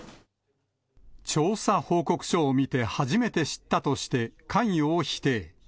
調査報告書を見て初めて知ったとして、関与を否定。